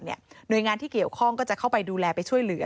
หน่วยงานที่เกี่ยวข้องก็จะเข้าไปดูแลไปช่วยเหลือ